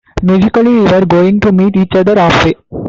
Musically we were going to meet each other half way.